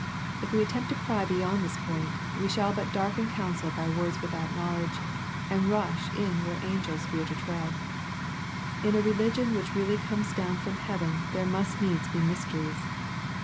If we attempt to pry beyond this point, we shall but darken counsel by words without knowledge, and rush in where angels fear to tread. In a religion which really comes down from heaven there must needs be mysteries.